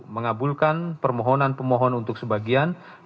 mengabulkan permohonan pemohon untuk sebagian